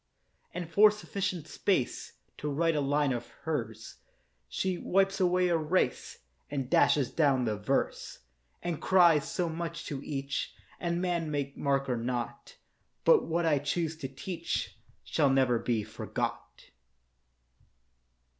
And for sufficient space To write a line of hers, She wipes away a race And dashes down the verse, And cries, 'So much to each, And man may mark or not; But what I choose to teach Shall never be forgot.